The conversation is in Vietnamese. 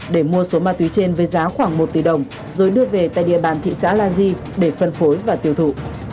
để mua số ma túy trên với giá khoảng một tỷ đồng rồi đưa về tại địa bàn thị xã la di để phân phối và tiêu thụ